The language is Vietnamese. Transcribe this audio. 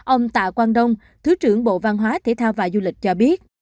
ông tạ quang đông thứ trưởng bộ văn hóa thể thao và du lịch cho biết